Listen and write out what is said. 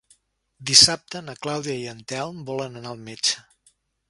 Dissabte na Clàudia i en Telm volen anar al metge.